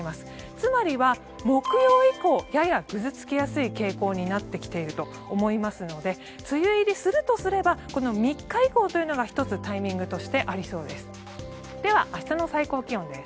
つまりは木曜以降ややぐずつきやすい傾向になってきていると思いますので梅雨入りするとすればこの３日以降というのが１つ、タイミングとしてありそうです。